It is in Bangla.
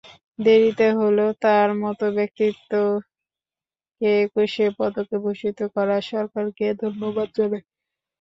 দেরিতে হলেও তাঁর মতো ব্যক্তিত্বকে একুশে পদকে ভূষিত করায় সরকারকে ধন্যবাদ জানাই।